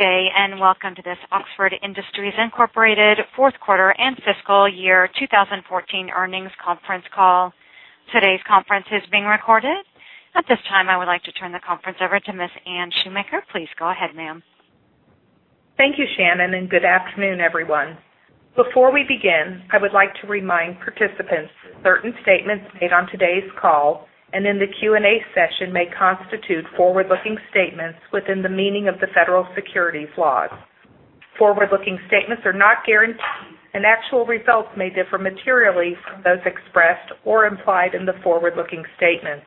Good day, and welcome to this Oxford Industries Incorporated fourth quarter and fiscal year 2014 earnings conference call. Today's conference is being recorded. At this time, I would like to turn the conference over to Ms. Anne Shoemaker. Please go ahead, ma'am. Thank you, Shannon. Good afternoon, everyone. Before we begin, I would like to remind participants certain statements made on today's call and in the Q&A session may constitute forward-looking statements within the meaning of the federal securities laws. Forward-looking statements are not guarantees, and actual results may differ materially from those expressed or implied in the forward-looking statements.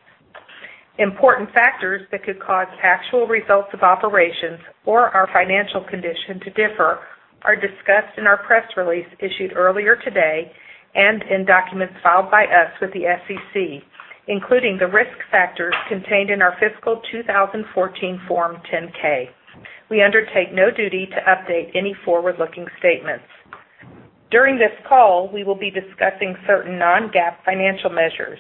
Important factors that could cause actual results of operations or our financial condition to differ are discussed in our press release issued earlier today and in documents filed by us with the SEC, including the risk factors contained in our fiscal 2014 Form 10-K. We undertake no duty to update any forward-looking statements. During this call, we will be discussing certain non-GAAP financial measures.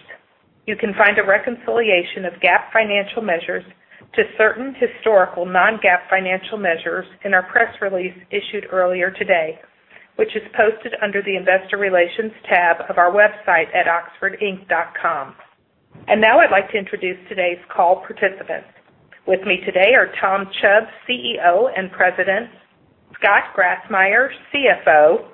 You can find a reconciliation of GAAP financial measures to certain historical non-GAAP financial measures in our press release issued earlier today, which is posted under the investor relations tab of our website at oxfordinc.com. Now I'd like to introduce today's call participants. With me today are Tom Chubb, CEO and President, Scott Grassmyer, CFO,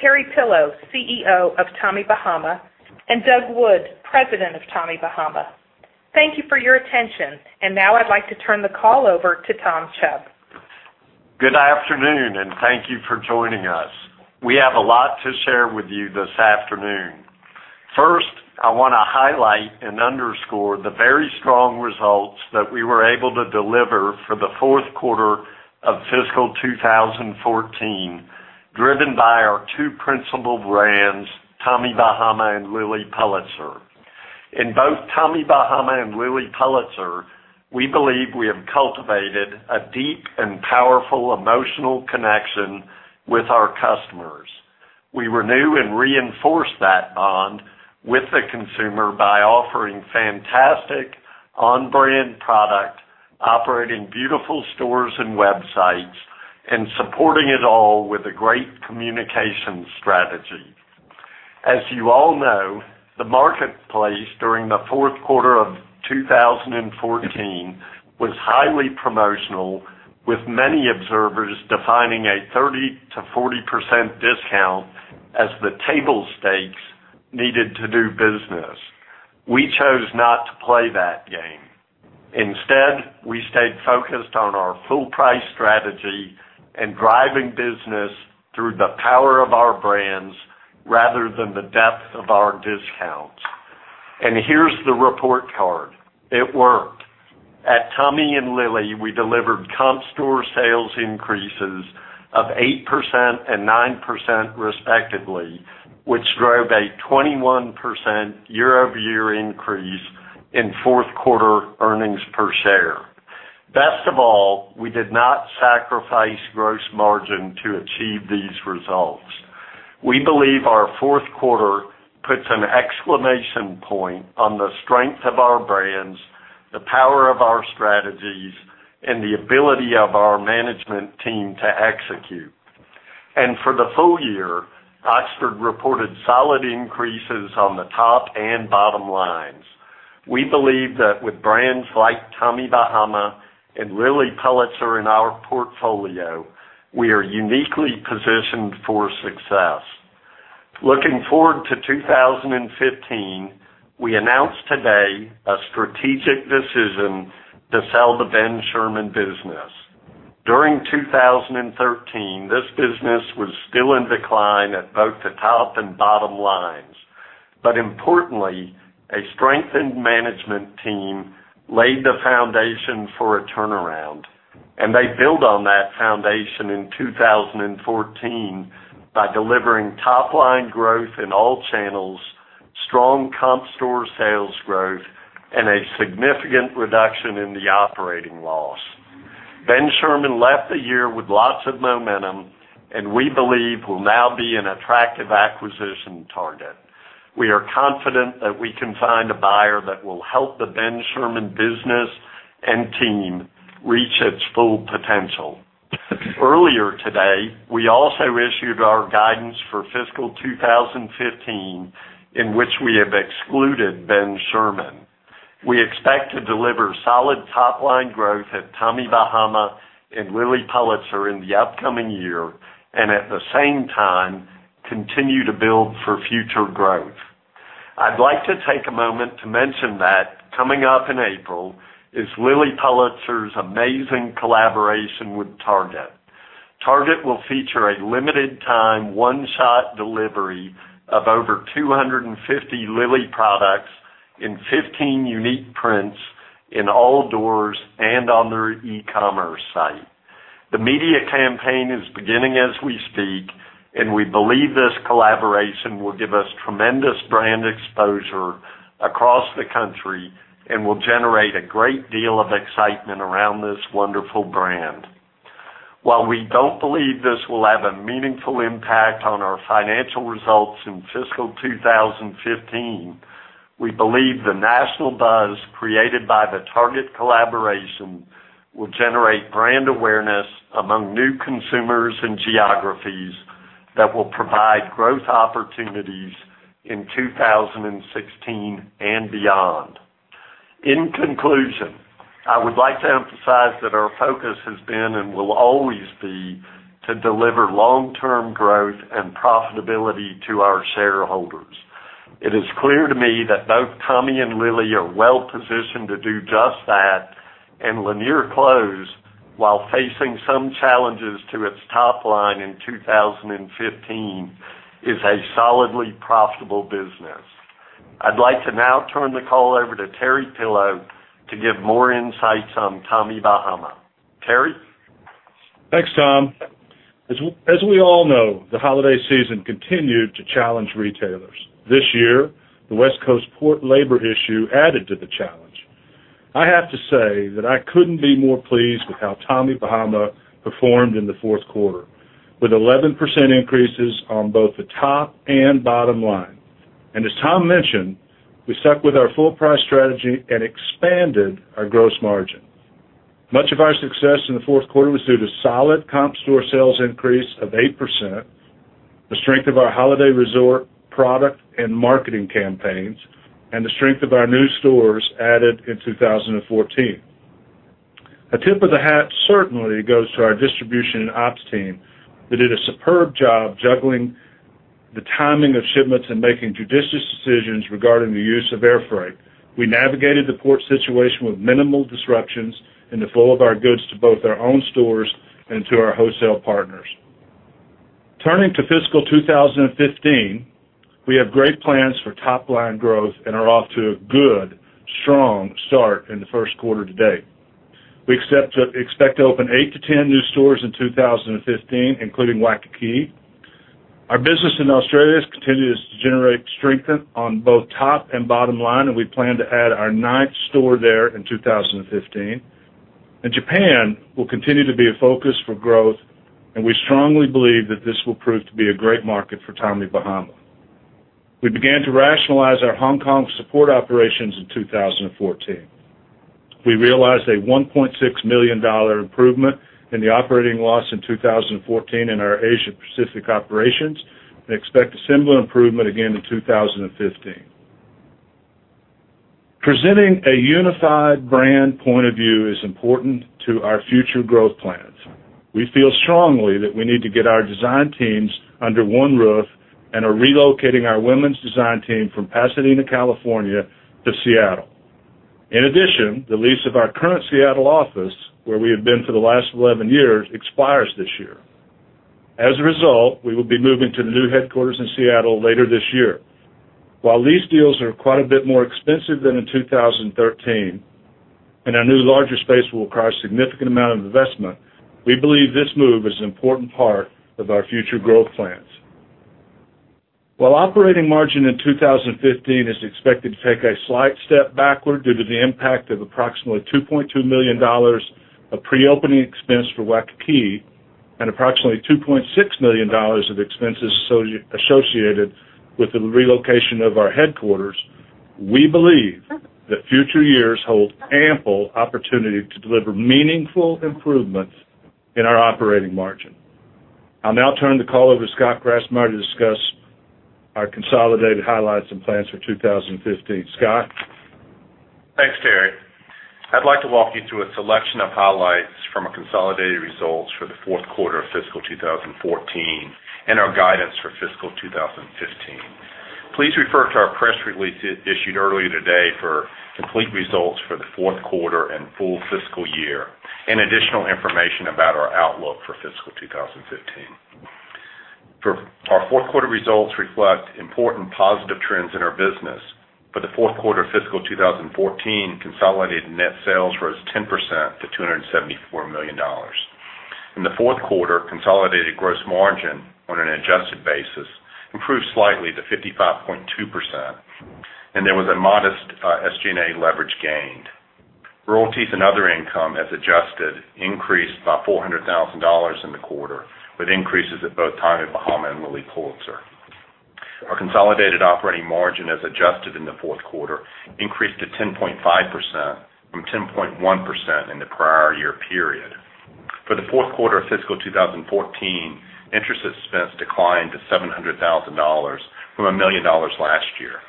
Terry Pillow, CEO of Tommy Bahama, and Doug Wood, President of Tommy Bahama. Thank you for your attention. Now I'd like to turn the call over to Tom Chubb. Good afternoon. Thank you for joining us. We have a lot to share with you this afternoon. First, I want to highlight and underscore the very strong results that we were able to deliver for the fourth quarter of fiscal 2014, driven by our two principal brands, Tommy Bahama and Lilly Pulitzer. In both Tommy Bahama and Lilly Pulitzer, we believe we have cultivated a deep and powerful emotional connection with our customers. We renew and reinforce that bond with the consumer by offering fantastic on-brand product, operating beautiful stores and websites, and supporting it all with a great communication strategy. As you all know, the marketplace during the fourth quarter of 2014 was highly promotional, with many observers defining a 30%-40% discount as the table stakes needed to do business. We chose not to play that game. Instead, we stayed focused on our full price strategy and driving business through the power of our brands rather than the depth of our discounts. Here's the report card. It worked. At Tommy and Lilly, we delivered comp store sales increases of 8% and 9% respectively, which drove a 21% year-over-year increase in fourth quarter earnings per share. Best of all, we did not sacrifice gross margin to achieve these results. We believe our fourth quarter puts an exclamation point on the strength of our brands, the power of our strategies, and the ability of our management team to execute. For the full year, Oxford reported solid increases on the top and bottom lines. We believe that with brands like Tommy Bahama and Lilly Pulitzer in our portfolio, we are uniquely positioned for success. Looking forward to 2015, we announced today a strategic decision to sell the Ben Sherman business. During 2013, this business was still in decline at both the top and bottom lines. Importantly, a strengthened management team laid the foundation for a turnaround, and they built on that foundation in 2014 by delivering top-line growth in all channels, strong comp store sales growth, and a significant reduction in the operating loss. Ben Sherman left the year with lots of momentum, and we believe will now be an attractive acquisition target. We are confident that we can find a buyer that will help the Ben Sherman business and team reach its full potential. Earlier today, we also issued our guidance for fiscal 2015, in which we have excluded Ben Sherman. We expect to deliver solid top-line growth at Tommy Bahama and Lilly Pulitzer in the upcoming year, and at the same time, continue to build for future growth. I'd like to take a moment to mention that coming up in April is Lilly Pulitzer's amazing collaboration with Target. Target will feature a limited time one-shot delivery of over 250 Lilly products in 15 unique prints in all doors and on their e-commerce site. The media campaign is beginning as we speak, and we believe this collaboration will give us tremendous brand exposure across the country and will generate a great deal of excitement around this wonderful brand. While we don't believe this will have a meaningful impact on our financial results in fiscal 2015. We believe the national buzz created by the Target collaboration will generate brand awareness among new consumers and geographies that will provide growth opportunities in 2016 and beyond. In conclusion, I would like to emphasize that our focus has been and will always be to deliver long-term growth and profitability to our shareholders. It is clear to me that both Tommy and Lilly are well-positioned to do just that, and Lanier Clothes, while facing some challenges to its top line in 2015, is a solidly profitable business. I'd like to now turn the call over to Terry Pillow to give more insights on Tommy Bahama. Terry? Thanks, Tom. As we all know, the holiday season continued to challenge retailers. This year, the West Coast port labor issue added to the challenge. I have to say that I couldn't be more pleased with how Tommy Bahama performed in the fourth quarter, with 11% increases on both the top and bottom line. As Tom mentioned, we stuck with our full-price strategy and expanded our gross margin. Much of our success in the fourth quarter was due to solid comp store sales increase of 8%, the strength of our holiday resort product and marketing campaigns, and the strength of our new stores added in 2014. A tip of the hat certainly goes to our distribution and ops team. They did a superb job juggling the timing of shipments and making judicious decisions regarding the use of air freight. We navigated the port situation with minimal disruptions in the flow of our goods to both our own stores and to our wholesale partners. Turning to fiscal 2015, we have great plans for top-line growth and are off to a good, strong start in the first quarter to date. We expect to open eight to 10 new stores in 2015, including Waikiki. Our business in Australia continues to generate strength on both top and bottom line, and we plan to add our ninth store there in 2015. Japan will continue to be a focus for growth, and we strongly believe that this will prove to be a great market for Tommy Bahama. We began to rationalize our Hong Kong support operations in 2014. We realized a $1.6 million improvement in the operating loss in 2014 in our Asia Pacific operations and expect a similar improvement again in 2015. Presenting a unified brand point of view is important to our future growth plans. We feel strongly that we need to get our design teams under one roof and are relocating our women's design team from Pasadena, California to Seattle. In addition, the lease of our current Seattle office, where we have been for the last 11 years, expires this year. As a result, we will be moving to the new headquarters in Seattle later this year. While lease deals are quite a bit more expensive than in 2013, and our new larger space will require a significant amount of investment, we believe this move is an important part of our future growth plans. While operating margin in 2015 is expected to take a slight step backward due to the impact of approximately $2.2 million of pre-opening expense for Waikiki and approximately $2.6 million of expenses associated with the relocation of our headquarters, we believe that future years hold ample opportunity to deliver meaningful improvements in our operating margin. I'll now turn the call over to Scott Grassmyer to discuss our consolidated highlights and plans for 2015. Scott? Thanks, Terry. I'd like to walk you through a selection of highlights from our consolidated results for the fourth quarter of fiscal 2014 and our guidance for fiscal 2015. Please refer to our press release issued earlier today for complete results for the fourth quarter and full fiscal year, and additional information about our outlook for fiscal 2015. Our fourth quarter results reflect important positive trends in our business. For the fourth quarter of fiscal 2014, consolidated net sales rose 10% to $274 million. In the fourth quarter, consolidated gross margin on an adjusted basis improved slightly to 55.2%, and there was a modest SG&A leverage gained. Royalties and other income as adjusted increased by $400,000 in the quarter, with increases at both Tommy Bahama and Lilly Pulitzer. Our consolidated operating margin as adjusted in the fourth quarter increased to 10.5% from 10.1% in the prior year period. For the fourth quarter of fiscal 2014, interest expense declined to $700,000 from $1 million last year.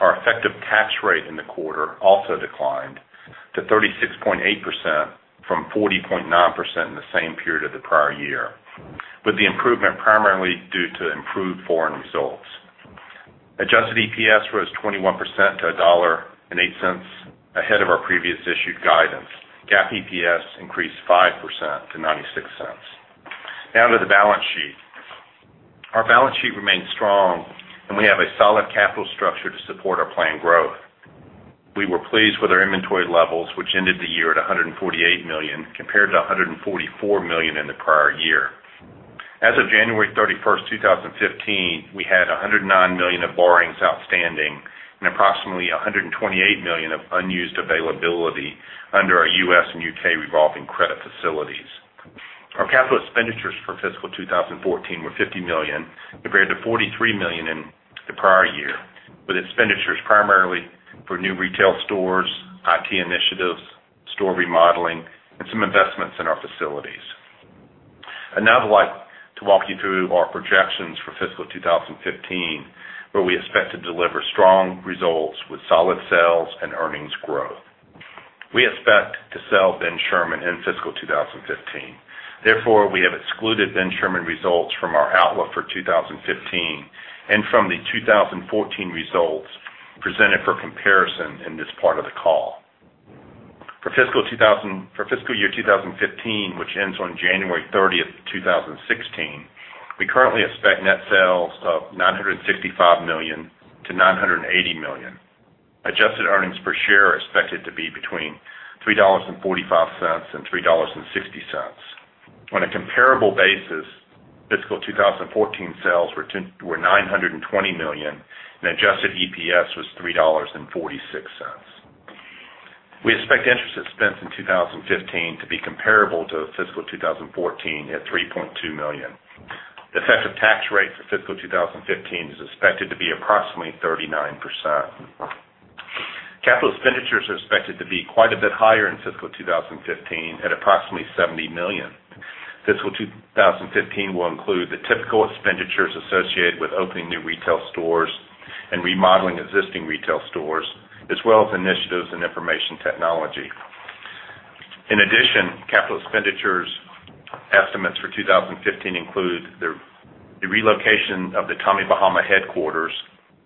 Our effective tax rate in the quarter also declined to 36.8% from 40.9% in the same period of the prior year, with the improvement primarily due to improved foreign results. Adjusted EPS rose 21% to $1.08, ahead of our previous issued guidance. GAAP EPS increased 5% to $0.96. To the balance sheet. Our balance sheet remains strong and we have a solid capital structure to support our planned growth. We were pleased with our inventory levels, which ended the year at $148 million, compared to $144 million in the prior year. As of January 31st, 2015, we had $109 million of borrowings outstanding and approximately $128 million of unused availability under our U.S. and U.K. revolving credit facilities. Our capital expenditures for fiscal 2014 were $50 million compared to $43 million in the prior year, with expenditures primarily for new retail stores, IT initiatives, store remodeling, and some investments in our facilities. Now I'd like to walk you through our projections for fiscal 2015, where we expect to deliver strong results with solid sales and earnings growth. We expect to sell Ben Sherman in fiscal 2015. Therefore, we have excluded Ben Sherman results from our outlook for 2015 and from the 2014 results presented for comparison in this part of the call. For fiscal year 2015, which ends on January 30th, 2016, we currently expect net sales of $965 million to $980 million. Adjusted earnings per share are expected to be between $3.45 and $3.60. On a comparable basis, fiscal 2014 sales were $920 million, and adjusted EPS was $3.46. We expect interest expense in 2015 to be comparable to fiscal 2014 at $3.2 million. The effective tax rate for fiscal 2015 is expected to be approximately 39%. Capital expenditures are expected to be quite a bit higher in fiscal 2015 at approximately $70 million. Fiscal 2015 will include the typical expenditures associated with opening new retail stores and remodeling existing retail stores, as well as initiatives in information technology. In addition, capital expenditures estimates for 2015 include the relocation of the Tommy Bahama headquarters,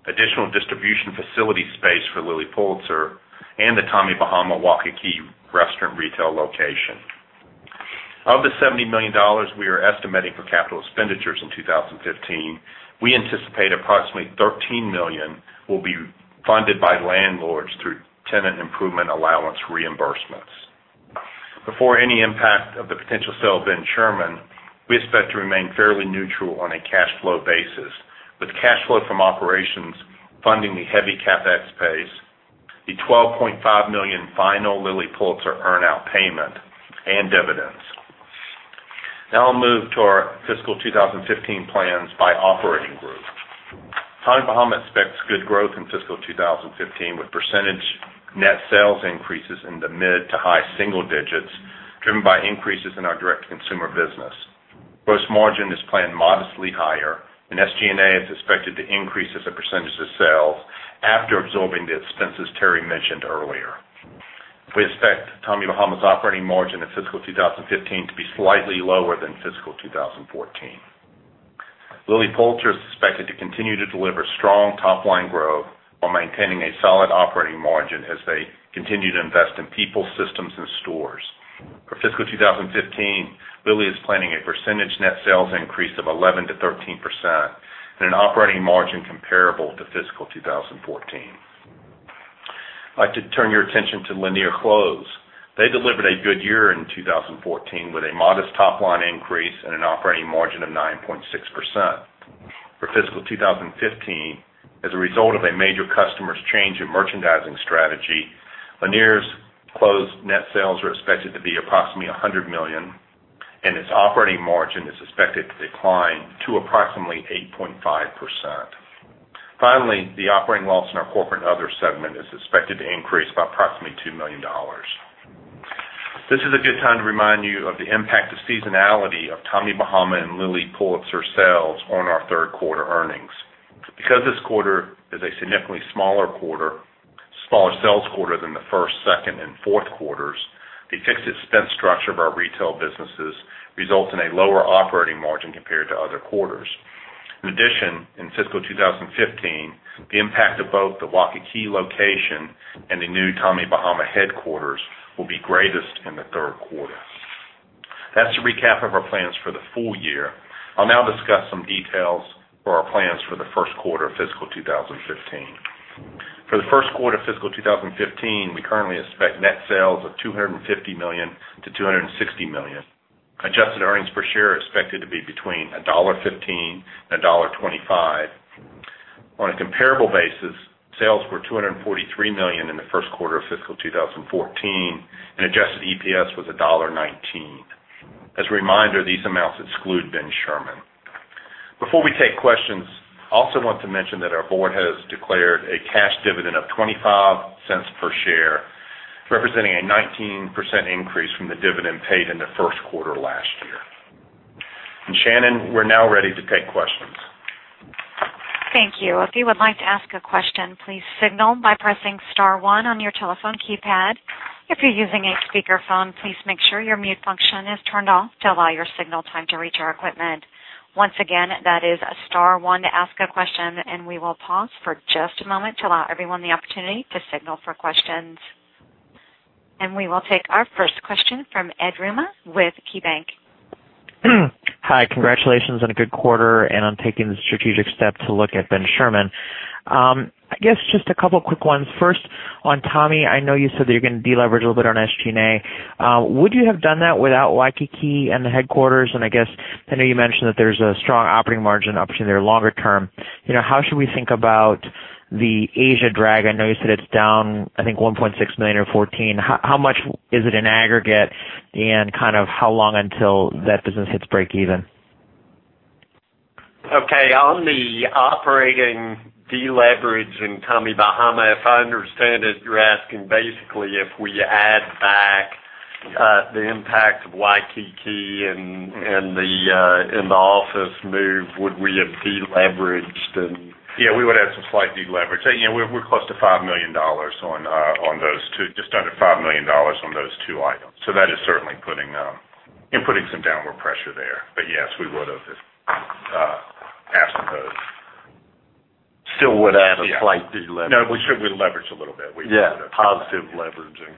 additional distribution facility space for Lilly Pulitzer, and the Tommy Bahama Waikiki restaurant retail location. Of the $70 million we are estimating for capital expenditures in 2015, we anticipate approximately $13 million will be funded by landlords through tenant improvement allowance reimbursements. Before any impact of the potential sale of Ben Sherman, we expect to remain fairly neutral on a cash flow basis, with cash flow from operations funding the heavy CapEx pace, the $12.5 million final Lilly Pulitzer earn-out payment, and dividends. I'll move to our fiscal 2015 plans by operating group. Tommy Bahama expects good growth in fiscal 2015 with percentage net sales increases in the mid to high single digits driven by increases in our direct-to-consumer business. Gross margin is planned modestly higher, and SG&A is expected to increase as a percentage of sales after absorbing the expenses Terry mentioned earlier. We expect Tommy Bahama's operating margin in fiscal 2015 to be slightly lower than fiscal 2014. Lilly Pulitzer is expected to continue to deliver strong top-line growth while maintaining a solid operating margin as they continue to invest in people, systems, and stores. For fiscal 2015, Lilly is planning a percentage net sales increase of 11%-13% and an operating margin comparable to fiscal 2014. I'd like to turn your attention to Lanier Clothes. They delivered a good year in 2014 with a modest top-line increase and an operating margin of 9.6%. For fiscal 2015, as a result of a major customer's change in merchandising strategy, Lanier Clothes net sales are expected to be approximately $100 million, and its operating margin is expected to decline to approximately 8.5%. The operating loss in our corporate and other segment is expected to increase by approximately $2 million. This is a good time to remind you of the impact of seasonality of Tommy Bahama and Lilly Pulitzer sales on our third quarter earnings. Because this quarter is a significantly smaller sales quarter than the first, second, and fourth quarters, the fixed expense structure of our retail businesses results in a lower operating margin compared to other quarters. In addition, in fiscal 2015, the impact of both the Waikiki location and the new Tommy Bahama headquarters will be greatest in the third quarter. That's a recap of our plans for the full year. I'll now discuss some details for our plans for the first quarter of fiscal 2015. For the first quarter of fiscal 2015, we currently expect net sales of $250 million-$260 million. Adjusted earnings per share are expected to be between $1.15 and $1.25. On a comparable basis, sales were $243 million in the first quarter of fiscal 2014, and adjusted EPS was $1.19. As a reminder, these amounts exclude Ben Sherman. Before we take questions, I also want to mention that our board has declared a cash dividend of $0.25 per share, representing a 19% increase from the dividend paid in the first quarter last year. Shannon, we're now ready to take questions. Thank you. If you would like to ask a question, please signal by pressing *1 on your telephone keypad. If you're using a speakerphone, please make sure your mute function is turned off to allow your signal time to reach our equipment. Once again, that is *1 to ask a question. We will pause for just a moment to allow everyone the opportunity to signal for questions. We will take our first question from Ed Yruma with KeyBanc. Hi. Congratulations on a good quarter and on taking the strategic step to look at Ben Sherman. I guess just a couple quick ones. First, on Tommy, I know you said that you're going to de-leverage a little bit on SG&A. Would you have done that without Waikiki and the headquarters? I guess I know you mentioned that there's a strong operating margin opportunity there longer term. How should we think about the Asia drag, I know you said it's down, I think $1.6 million or $14. How much is it in aggregate and how long until that business hits breakeven? Okay. On the operating deleverage in Tommy Bahama, if I understand it, you're asking basically if we add back the impact of Waikiki and the office move, would we have deleveraged and Yeah, we would've some slight deleverage. We're close to $5 million on those two, just under $5 million on those two items. That is certainly putting some downward pressure there. Yes, we would've, absent those. Still would have a slight deleverage. No, we should leverage a little bit. Yeah. Positive leveraging.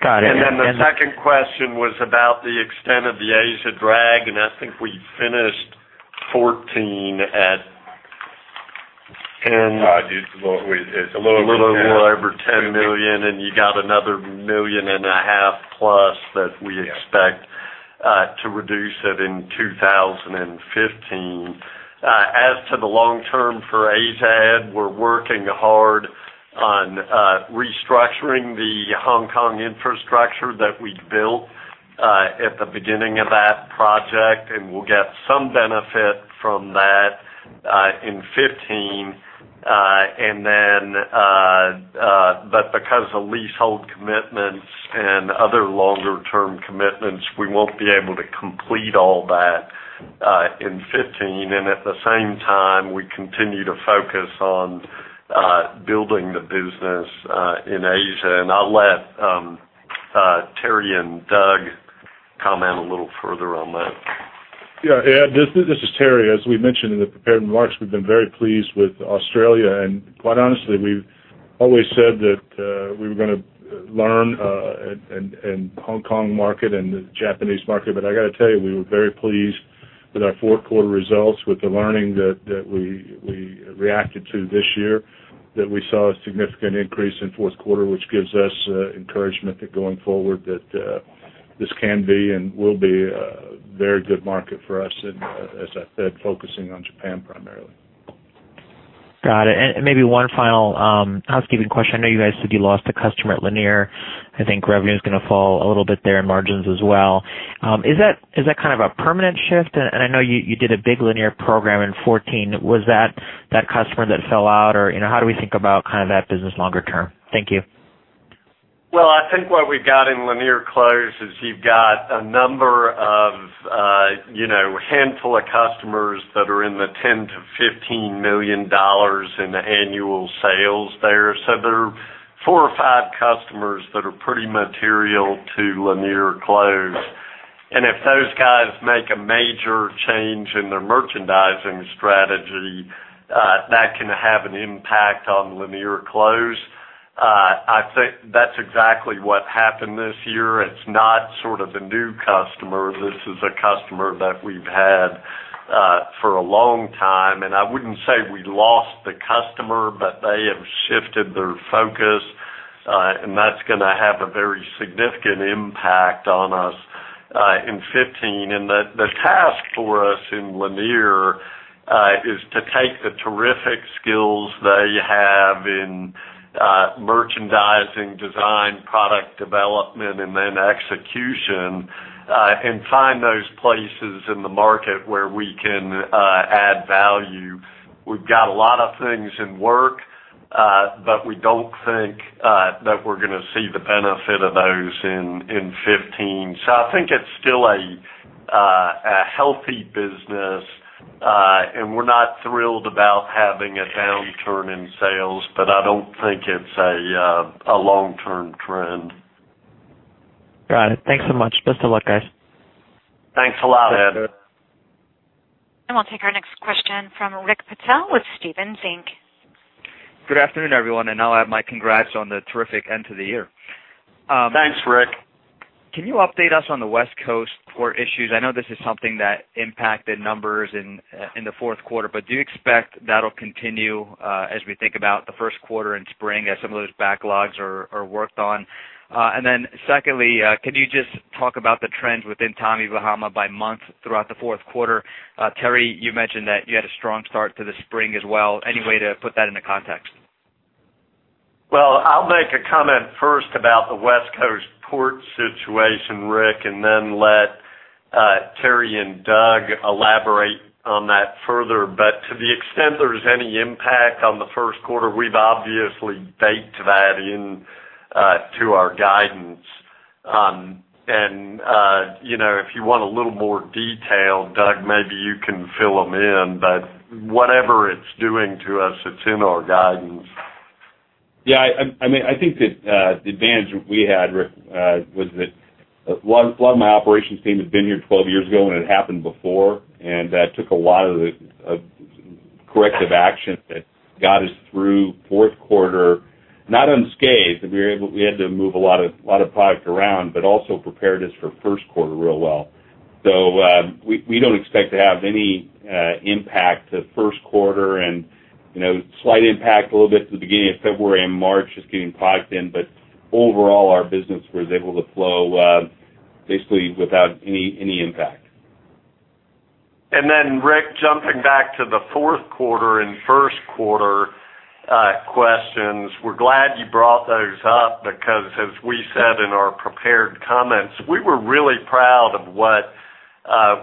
Got it. The second question was about the extent of the Asia drag, and I think we finished 2014 at It's a little bit more. A little more over $10 million, and you got another million and a half plus that we expect to reduce it in 2015. As to the long term for Asia, Ed, we're working hard on restructuring the Hong Kong infrastructure that we built at the beginning of that project, and we'll get some benefit from that in 2015. Because of leasehold commitments and other longer-term commitments, we won't be able to complete all that in 2015. At the same time, we continue to focus on building the business in Asia. I'll let Terry and Doug comment a little further on that. Yeah. Ed, this is Terry. As we mentioned in the prepared remarks, we've been very pleased with Australia, and quite honestly, we've always said that we were going to learn in Hong Kong market and the Japanese market. I got to tell you, we were very pleased with our fourth quarter results, with the learning that we reacted to this year, that we saw a significant increase in fourth quarter, which gives us encouragement that going forward, that this can be and will be a very good market for us. As I said, focusing on Japan primarily. Got it. Maybe one final housekeeping question. I know you guys said you lost a customer at Lanier. I think revenue's going to fall a little bit there in margins as well. Is that kind of a permanent shift? I know you did a big Lanier program in 2014. Was that customer that fell out? How do we think about that business longer term? Thank you. Well, I think what we've got in Lanier Clothes is you've got a number of handful of customers that are in the $10 million-$15 million in the annual sales there. There are four or five customers that are pretty material to Lanier Clothes. If those guys make a major change in their merchandising strategy, that can have an impact on Lanier Clothes. I think that's exactly what happened this year. It's not sort of a new customer. This is a customer that we've had for a long time, and I wouldn't say we lost the customer, but they have shifted their focus, and that's going to have a very significant impact on us in 2015. The task for us in Lanier is to take the terrific skills they have in merchandising, design, product development, and then execution, and find those places in the market where we can add value. We've got a lot of things in work, but we don't think that we're going to see the benefit of those in 2015. I think it's still a healthy business. We're not thrilled about having a downturn in sales, but I don't think it's a long-term trend. Got it. Thanks so much. Best of luck, guys. Thanks a lot, Ed. We'll take our next question from Rick Patel with Stephens Inc. Good afternoon, everyone, and I'll add my congrats on the terrific end to the year. Thanks, Rick. Can you update us on the West Coast port issues? I know this is something that impacted numbers in the fourth quarter, do you expect that'll continue as we think about the first quarter in spring as some of those backlogs are worked on? Secondly, can you just talk about the trends within Tommy Bahama by month throughout the fourth quarter? Terry, you mentioned that you had a strong start to the spring as well. Any way to put that into context? Well, I'll make a comment first about the West Coast port situation, Rick, then let Terry and Doug elaborate on that further. To the extent there's any impact on the first quarter, we've obviously baked that into our guidance. If you want a little more detail, Doug, maybe you can fill him in, whatever it's doing to us, it's in our guidance. Yeah. I think that the advantage we had, Rick, was that a lot of my operations team had been here 12 years ago when it happened before, that took a lot of the corrective action that got us through fourth quarter, not unscathed. We had to move a lot of product around, also prepared us for first quarter real well. We don't expect to have any impact to first quarter slight impact a little bit to the beginning of February and March just getting product in, overall, our business was able to flow Basically without any impact. Rick, jumping back to the fourth quarter and first quarter questions, we're glad you brought those up because as we said in our prepared comments, we were really proud of what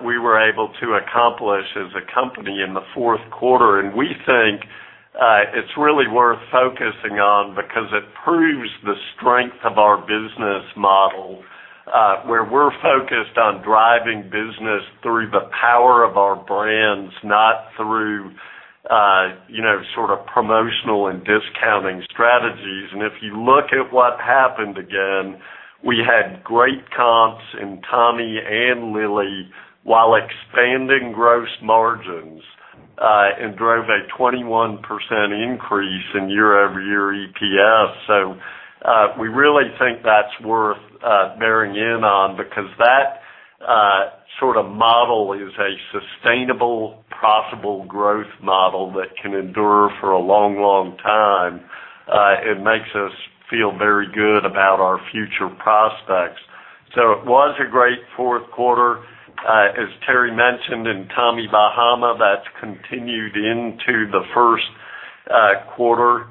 we were able to accomplish as a company in the fourth quarter. We think it's really worth focusing on because it proves the strength of our business model where we're focused on driving business through the power of our brands, not through promotional and discounting strategies. If you look at what happened, again, we had great comps in Tommy and Lilly while expanding gross margins and drove a 21% increase in year-over-year EPS. We really think that's worth bearing in on because that sort of model is a sustainable, profitable growth model that can endure for a long time. It makes us feel very good about our future prospects. It was a great fourth quarter. As Terry mentioned, in Tommy Bahama, that's continued into the first quarter.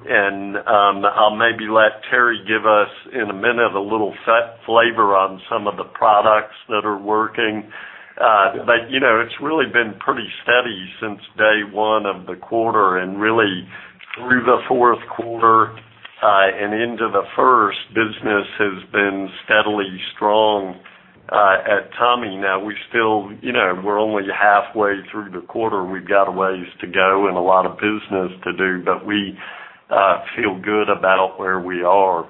I'll maybe let Terry give us, in a minute, a little flavor on some of the products that are working. It's really been pretty steady since day one of the quarter, and really through the fourth quarter and into the first, business has been steadily strong at Tommy. We're only halfway through the quarter. We've got a ways to go and a lot of business to do, but we feel good about where we are.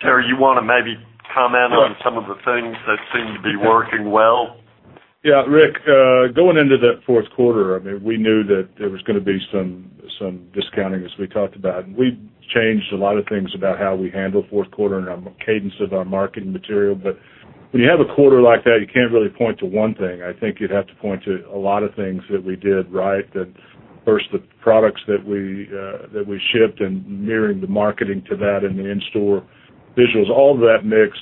Terry, you want to maybe comment on some of the things that seem to be working well? Rick, going into that fourth quarter, we knew that there was going to be some discounting, as we talked about. We changed a lot of things about how we handle fourth quarter and our cadence of our marketing material. When you have a quarter like that, you can't really point to one thing. I think you'd have to point to a lot of things that we did right. First, the products that we shipped and mirroring the marketing to that and the in-store visuals, all of that mix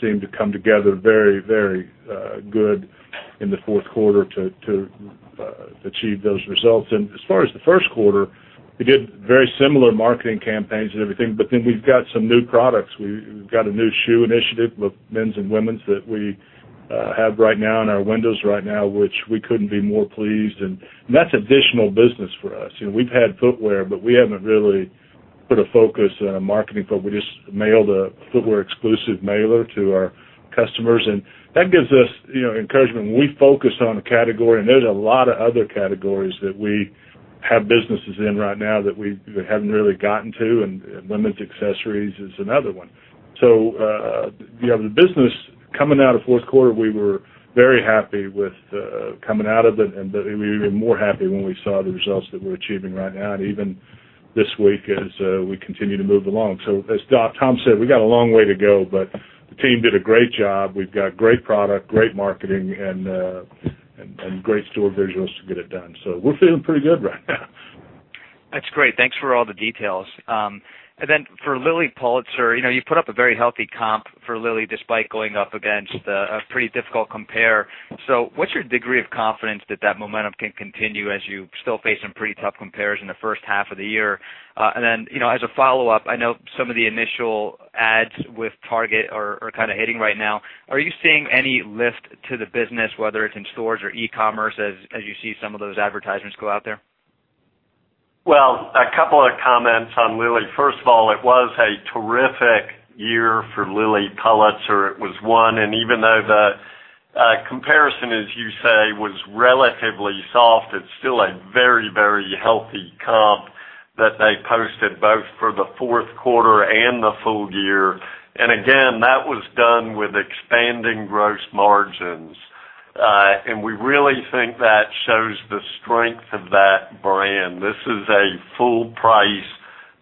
seemed to come together very good in the fourth quarter to achieve those results. As far as the first quarter, we did very similar marketing campaigns and everything. We've got some new products. We've got a new shoe initiative with men's and women's that we have right now in our windows right now, which we couldn't be more pleased. That's additional business for us. We've had footwear, but we haven't really put a focus on a marketing footwear. We just mailed a footwear exclusive mailer to our customers, and that gives us encouragement when we focus on a category, and there's a lot of other categories that we have businesses in right now that we haven't really gotten to, and women's accessories is another one. The business coming out of fourth quarter, we were very happy with coming out of it, and we were even more happy when we saw the results that we're achieving right now and even this week as we continue to move along. As Tom said, we got a long way to go, but the team did a great job. We've got great product, great marketing, and great store visuals to get it done. We're feeling pretty good right now. That's great. Thanks for all the details. For Lilly Pulitzer, you put up a very healthy comp for Lilly despite going up against a pretty difficult compare. What's your degree of confidence that that momentum can continue as you still face some pretty tough compares in the first half of the year? As a follow-up, I know some of the initial ads with Target are hitting right now. Are you seeing any lift to the business, whether it's in stores or e-commerce, as you see some of those advertisements go out there? Well, a couple of comments on Lilly. First of all, it was a terrific year for Lilly Pulitzer. It was one, and even though the comparison, as you say, was relatively soft, it's still a very healthy comp that they posted both for the fourth quarter and the full year. Again, that was done with expanding gross margins. We really think that shows the strength of that brand. This is a full-price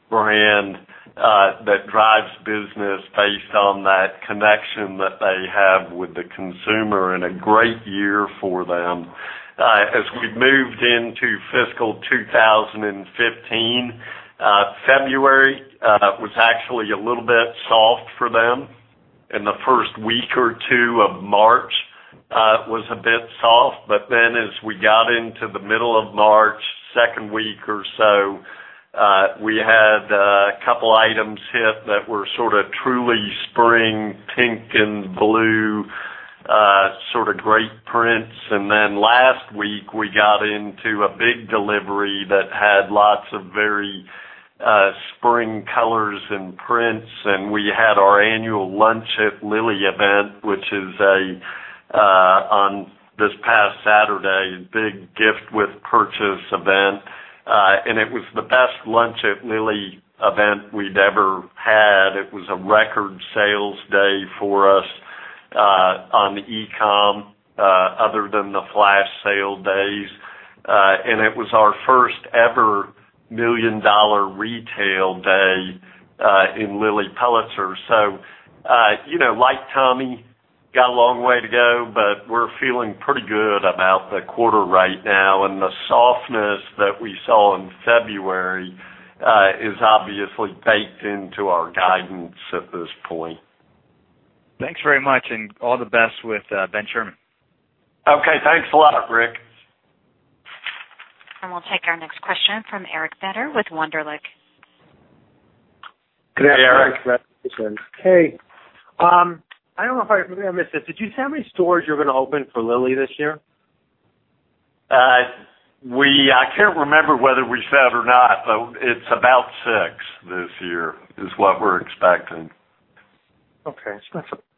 brand that drives business based on that connection that they have with the consumer and a great year for them. As we've moved into fiscal 2015, February was actually a little bit soft for them, and the first week or two of March was a bit soft. As we got into the middle of March, second week or so, we had a couple items hit that were sort of truly spring pink and blue, sort of great prints. Last week, we got into a big delivery that had lots of very spring colors and prints, and we had our annual Lunch at Lilly event, which is on this past Saturday, a big gift-with-purchase event. It was the best Lunch at Lilly event we'd ever had. It was a record sales day for us on e-com other than the flash sale days. It was our first ever million-dollar retail day in Lilly Pulitzer. Like Tommy, got a long way to go, but we're feeling pretty good about the quarter right now, and the softness that we saw in February is obviously baked into our guidance at this point. Thanks very much, all the best with Ben Sherman. Okay, thanks a lot, Rick. We'll take our next question from Eric Beder with Wunderlich. Good day, Eric. Hey, Eric. Hey. I don't know if I missed this. Did you say how many stores you're going to open for Lilly this year? I can't remember whether we said or not, it's about six this year, is what we're expecting. Okay.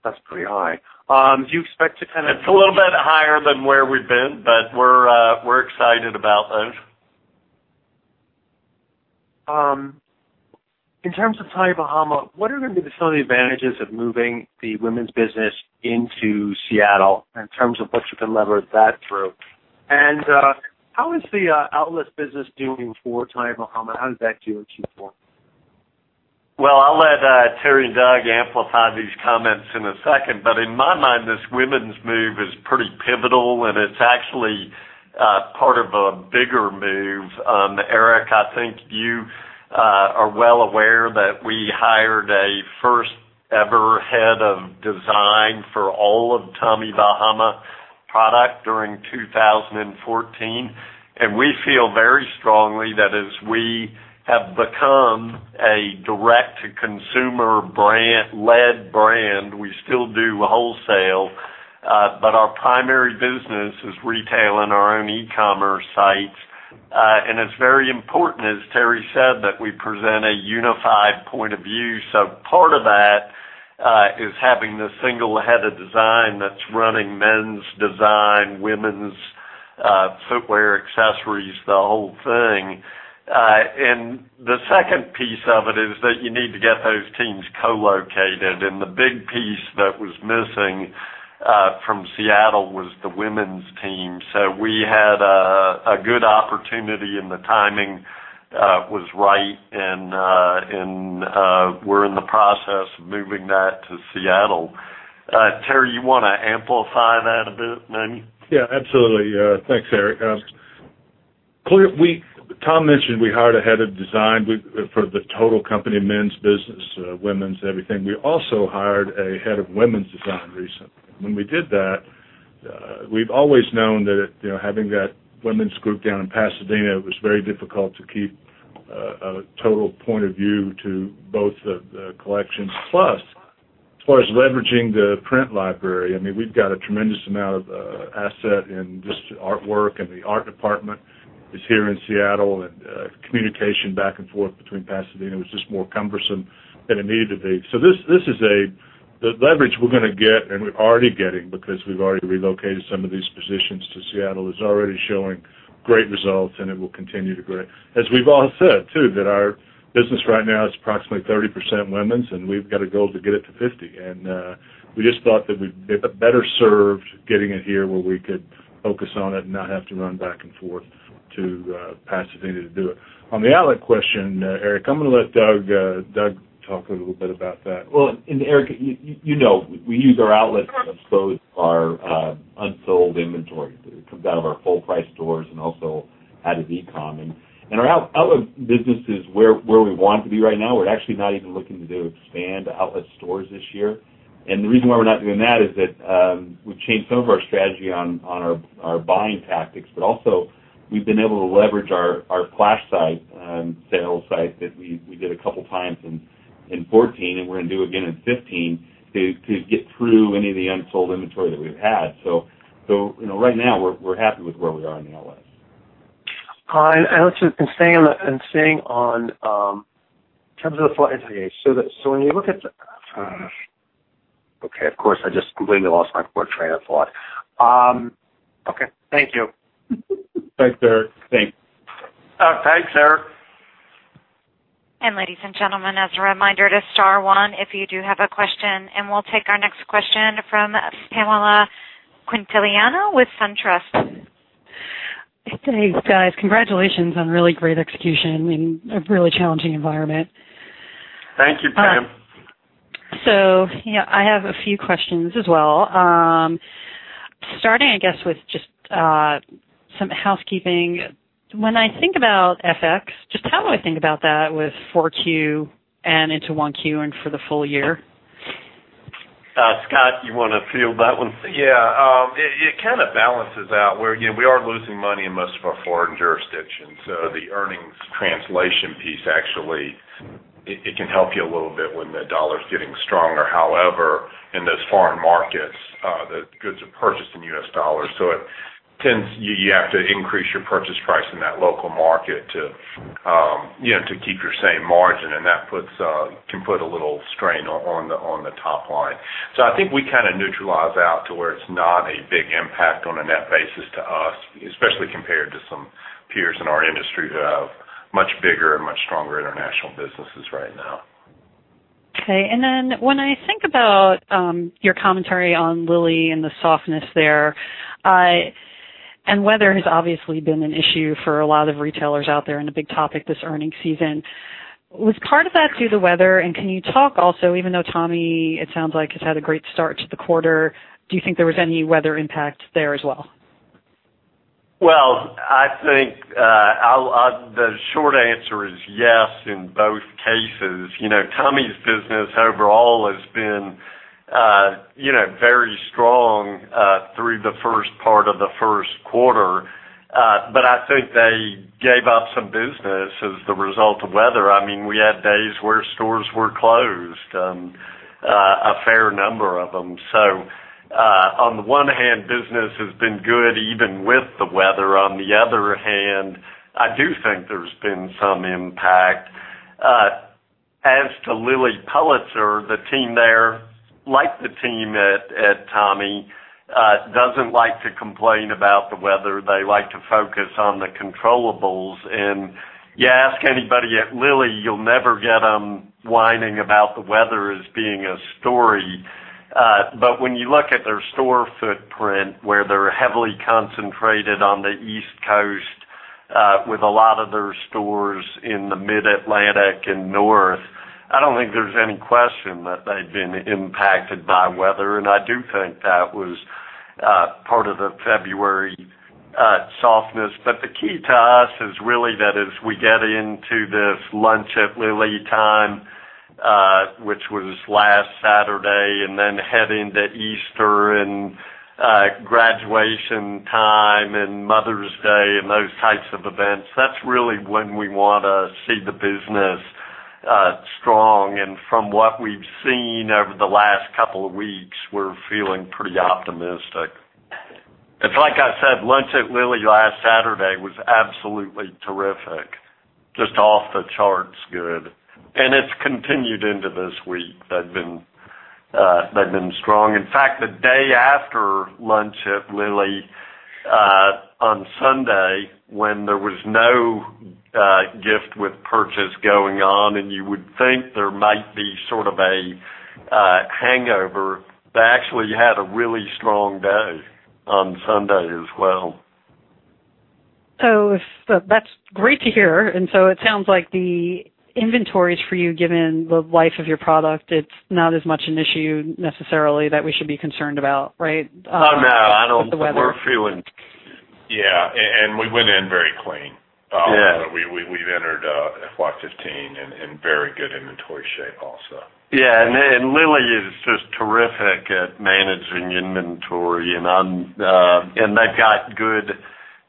That's pretty high. Do you expect to? It's a little bit higher than where we've been, but we're excited about those. In terms of Tommy Bahama, what are going to be some of the advantages of moving the women's business into Seattle in terms of what you can leverage that through? How is the outlet business doing for Tommy Bahama? How does that do in Q4? Well, I'll let Terry and Doug amplify these comments in a second, but in my mind, this women's move is pretty pivotal, and it's actually part of a bigger move. Eric, I think you are well aware that we hired a first ever head of design for all of Tommy Bahama product during 2014. We feel very strongly that as we have become a direct-to-consumer led brand, we still do wholesale, but our primary business is retail and our own e-commerce sites. It's very important, as Terry said, that we present a unified point of view. Part of that is having the single head of design that's running men's design, women's footwear, accessories, the whole thing. The second piece of it is that you need to get those teams co-located, and the big piece that was missing from Seattle was the women's team. We had a good opportunity and the timing was right and we're in the process of moving that to Seattle. Terry, you want to amplify that a bit maybe? Yeah, absolutely. Thanks, Eric. Tom mentioned we hired a head of design for the total company, men's business, women's everything. We also hired a head of women's design recently. When we did that, we've always known that having that women's group down in Pasadena, it was very difficult to keep a total point of view to both the collections. Plus, as far as leveraging the print library, we've got a tremendous amount of asset in just artwork and the art department is here in Seattle, and communication back and forth between Pasadena was just more cumbersome than it needed to be. The leverage we're going to get, and we're already getting because we've already relocated some of these positions to Seattle, is already showing great results and it will continue to grow. As we've all said, too, that our business right now is approximately 30% women's and we've got a goal to get it to 50%. We just thought that we'd be better served getting it here where we could focus on it and not have to run back and forth to Pasadena to do it. On the outlet question, Eric, I'm going to let Doug talk a little bit about that. Well, Eric, you know, we use our outlets to dispose our unsold inventory that comes out of our full price stores and also out of e-com. Our outlet business is where we want to be right now. We're actually not even looking to expand outlet stores this year. The reason why we're not doing that is that we've changed some of our strategy on our buying tactics, but also we've been able to leverage our flash site, sales site, that we did a couple of times in 2014 and we're going to do again in 2015 to get through any of the unsold inventory that we've had. Right now we're happy with where we are in the outlets. Staying on terms of the full year. When you look at the, okay, of course I just completely lost my poor train of thought. Okay, thank you. Thanks, Eric. Thanks. Ladies and gentlemen, as a reminder to star one if you do have a question, we'll take our next question from Pamela Quintiliano with SunTrust. Thanks, guys. Congratulations on really great execution in a really challenging environment. Thank you, Pam. I have a few questions as well. Starting, I guess, with just some housekeeping. When I think about FX, just how do I think about that with four Q and into one Q and for the full year? Scott, you want to field that one? Yeah. It kind of balances out where we are losing money in most of our foreign jurisdictions. The earnings translation piece actually, it can help you a little bit when the dollar's getting stronger. However, in those foreign markets, the goods are purchased in US dollars, so you have to increase your purchase price in that local market to keep your same margin, and that can put a little strain on the top line. I think we kind of neutralize out to where it's not a big impact on a net basis to us, especially compared to some peers in our industry who have much bigger and much stronger international businesses right now. Okay. When I think about your commentary on Lilly and the softness there, weather has obviously been an issue for a lot of retailers out there and a big topic this earnings season. Was part of that due to weather? Can you talk also, even though Tommy, it sounds like, has had a great start to the quarter, do you think there was any weather impact there as well? I think the short answer is yes in both cases. Tommy's business overall has been very strong through the first part of the first quarter. I think they gave up some business as the result of weather. We had days where stores were closed, a fair number of them. On the one hand, business has been good even with the weather. On the other hand, I do think there's been some impact. As to Lilly Pulitzer, the team there, like the team at Tommy, doesn't like to complain about the weather. They like to focus on the controllables. You ask anybody at Lilly, you'll never get them whining about the weather as being a story. When you look at their store footprint, where they're heavily concentrated on the East Coast with a lot of their stores in the Mid-Atlantic and north, I don't think there's any question that they've been impacted by weather, and I do think that was part of the February softness. The key to us is really that as we get into this Lunch at Lilly time, which was last Saturday, then heading to Easter and graduation time and Mother's Day and those types of events, that's really when we want to see the business strong. From what we've seen over the last couple of weeks, we're feeling pretty optimistic. It's like I said, Lunch at Lilly last Saturday was absolutely terrific. Just off the charts good. It's continued into this week. They've been strong. In fact, the day after Lunch at Lilly, on Sunday, when there was no gift with purchase going on and you would think there might be sort of a hangover, they actually had a really strong day on Sunday as well. That's great to hear. It sounds like the inventories for you, given the life of your product, it's not as much an issue necessarily that we should be concerned about, right? No. With the weather. We're feeling Yeah, we went in very clean. Yeah. We've entered FY 2015 in very good inventory shape also. Lilly Pulitzer is just terrific at managing inventory and they've got good.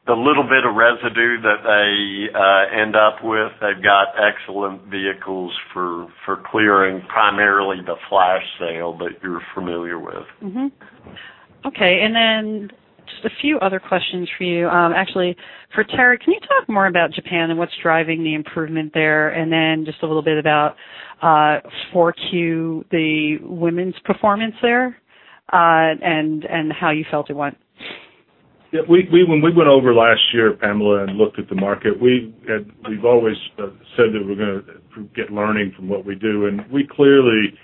The little bit of residue that they end up with, they've got excellent vehicles for clearing, primarily the flash sale that you're familiar with. Okay, then just a few other questions for you. Actually, for Terry, can you talk more about Japan and what's driving the improvement there? Then just a little bit about 4Q, the women's performance there, and how you felt it went. When we went over last year, Pamela, and looked at the market, we've always said that we're going to get learning from what we do, and we clearly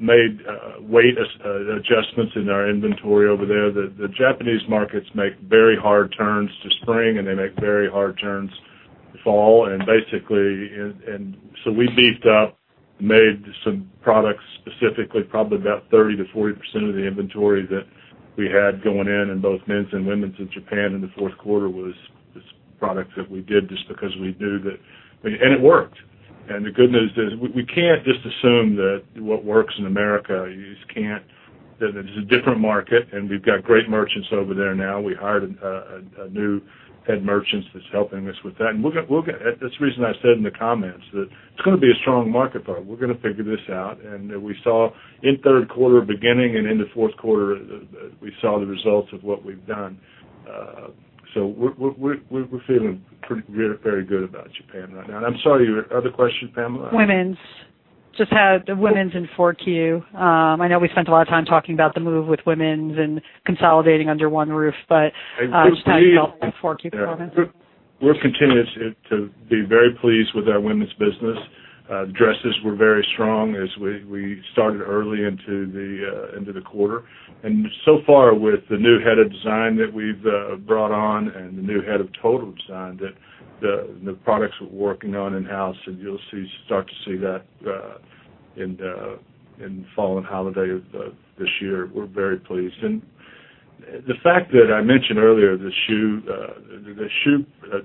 made weight adjustments in our inventory over there. The Japanese markets make very hard turns to spring, and they make very hard turns fall. So we beefed up and made some products specifically, probably about 30%-40% of the inventory that we had going in in both men's and women's in Japan in the fourth quarter was products that we did just because we knew that. It worked. The good news is we can't just assume that what works in America, you just can't. That is a different market, and we've got great merchants over there now. We hired a new head merchant that's helping us with that. That's the reason I said in the comments that it's going to be a strong market, but we're going to figure this out, and that we saw in third quarter beginning and into fourth quarter, we saw the results of what we've done. We're feeling very good about Japan right now. I'm sorry, your other question, Pamela? Women's. Just had the women's in 4Q. I know we spent a lot of time talking about the move with women's and consolidating under one roof, can you talk about 4Q performance? We're continuing to be very pleased with our women's business. Dresses were very strong as we started early into the quarter. So far with the new head of design that we've brought on and the new head of total design, the products we're working on in-house, you'll start to see that in fall and holiday this year. We're very pleased. The fact that I mentioned earlier, the shoe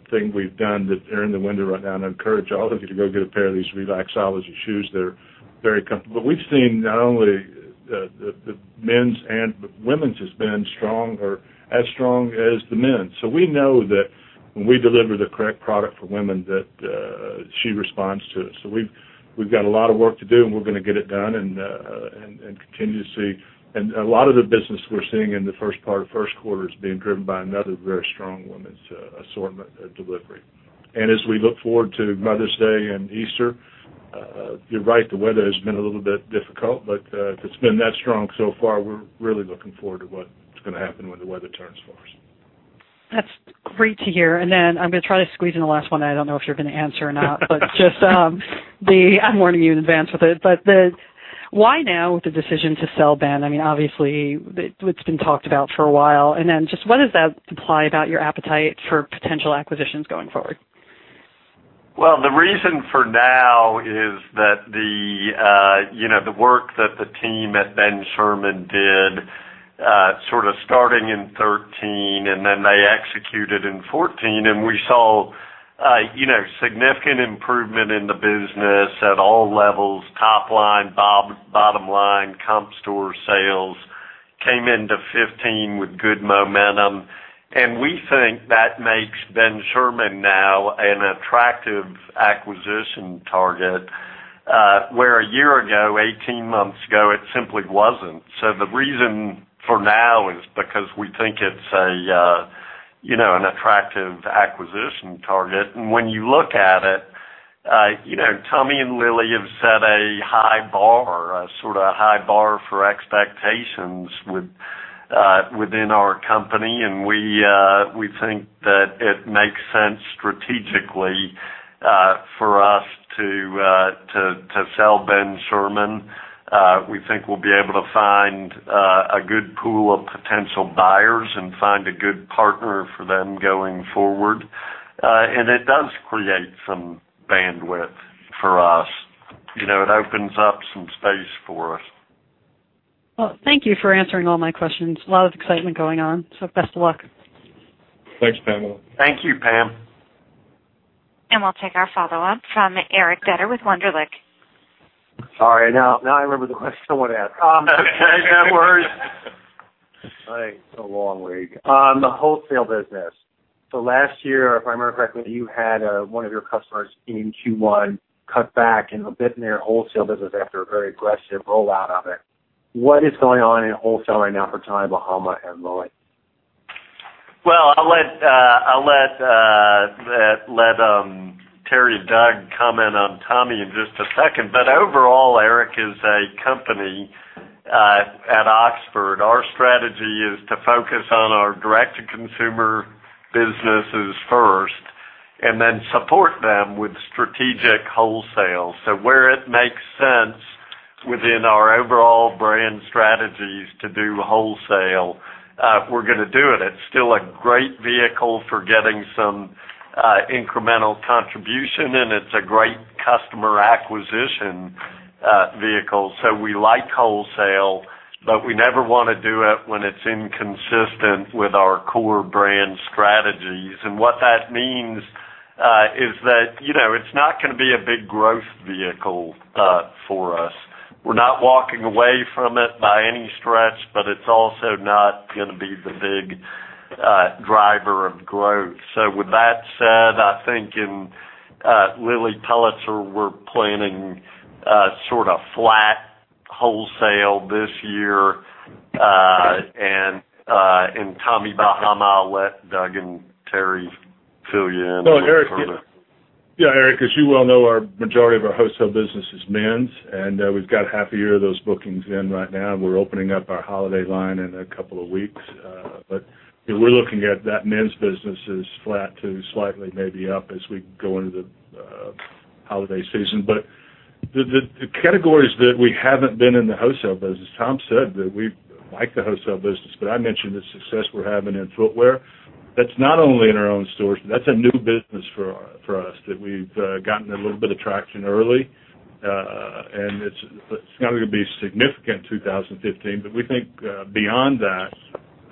thing we've done, they're in the window right now, I encourage all of you to go get a pair of these Relaxology shoes. They're very comfortable. We've seen not only the men's and the women's has been strong or as strong as the men's. We know that when we deliver the correct product for women, that she responds to it. We've got a lot of work to do, and we're going to get it done and continue to see. A lot of the business we're seeing in the first part of first quarter is being driven by another very strong women's assortment delivery. As we look forward to Mother's Day and Easter, you're right, the weather has been a little bit difficult, but if it's been that strong so far, we're really looking forward to what's going to happen when the weather turns for us. That's great to hear. I'm going to try to squeeze in the last one. I don't know if you're going to answer or not, but just I'm warning you in advance with it. Why now the decision to sell Ben? Obviously, it's been talked about for a while. Just what does that imply about your appetite for potential acquisitions going forward? The reason for now is that the work that the team at Ben Sherman did sort of starting in 2013, then they executed in 2014, and we saw significant improvement in the business at all levels, top line, bottom line, comp store sales. Came into 2015 with good momentum, and we think that makes Ben Sherman now an attractive acquisition target, where a year ago, 18 months ago, it simply wasn't. The reason for now is because we think it's an attractive acquisition target. When you look at it, Tommy and Lilly have set a high bar for expectations within our company, and we think that it makes sense strategically for us to sell Ben Sherman. We think we'll be able to find a good pool of potential buyers and find a good partner for them going forward. It does create some bandwidth for us. It opens up some space for us. Thank you for answering all my questions. A lot of excitement going on, best of luck. Thanks, Pamela. Thank you, Pam. We'll take our follow-up from Eric Beder with Wunderlich. Sorry. Now I remember the question I wanted to ask. It's been a long week. The wholesale business. Last year, if I remember correctly, you had one of your customers in Q1 cut back a bit in their wholesale business after a very aggressive rollout of it. What is going on in wholesale right now for Tommy Bahama and Lilly? I'll let Terry, Doug comment on Tommy in just a second. Overall, Eric, as a company at Oxford, our strategy is to focus on our direct-to-consumer businesses first and then support them with strategic wholesale. Where it makes sense within our overall brand strategies to do wholesale, we're going to do it. It's still a great vehicle for getting some incremental contribution, and it's a great customer acquisition vehicle. We like wholesale, but we never want to do it when it's inconsistent with our core brand strategies. What that means is that it's not going to be a big growth vehicle for us. We're not walking away from it by any stretch, but it's also not going to be the big driver of growth. With that said, I think in Lilly Pulitzer, we're planning sort of flat wholesale this year. Tommy Bahama, I'll let Doug and Terry fill you in. Yeah, Eric, as you well know, our majority of our wholesale business is men's. We've got half a year of those bookings in right now, and we're opening up our holiday line in a couple of weeks. We're looking at that men's business as flat to slightly maybe up as we go into the holiday season. The categories that we haven't been in the wholesale business, Tom said that we like the wholesale business, but I mentioned the success we're having in footwear. That's not only in our own stores. That's a new business for us that we've gotten a little bit of traction early. It's not going to be significant in 2015, but we think beyond that,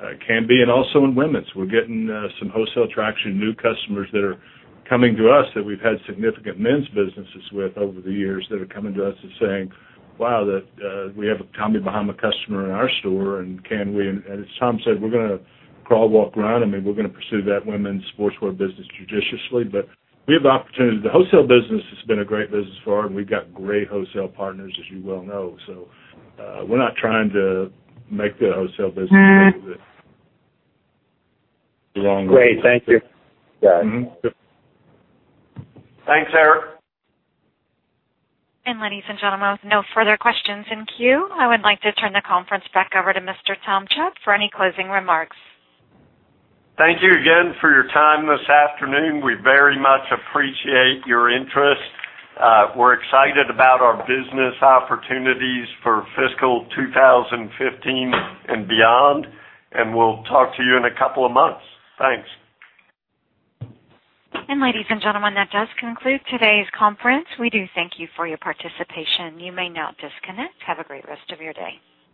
it can be. Also in women's. We're getting some wholesale traction, new customers that are coming to us that we've had significant men's businesses with over the years that are coming to us and saying, "Wow, we have a Tommy Bahama customer in our store, and can we?" As Tom said, we're going to crawl, walk, run. We're going to pursue that women's sportswear business judiciously. We have the opportunity. The wholesale business has been a great business for us, and we've got great wholesale partners, as you well know. We're not trying to make the wholesale business into the wrong business. Great. Thank you. Thanks, Eric. Ladies and gentlemen, with no further questions in queue, I would like to turn the conference back over to Mr. Tom Chubb for any closing remarks. Thank you again for your time this afternoon. We very much appreciate your interest. We're excited about our business opportunities for fiscal 2015 and beyond, and we'll talk to you in a couple of months. Thanks. Ladies and gentlemen, that does conclude today's conference. We do thank you for your participation. You may now disconnect. Have a great rest of your day.